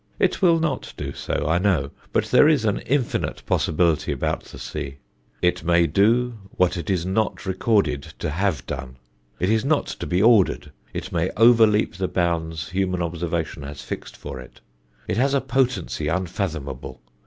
It will not do so, I know; but there is an infinite possibility about the sea; it may do what it is not recorded to have done. It is not to be ordered, it may overleap the bounds human observation has fixed for it. It has a potency unfathomable.